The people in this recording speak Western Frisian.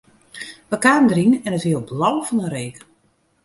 Wy kamen deryn en it wie al blau fan 'e reek.